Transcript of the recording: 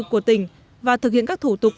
của tỉnh và thực hiện các thủ tục